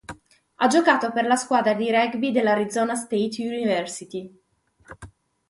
Ha giocato per la squadra di rugby della Arizona State University.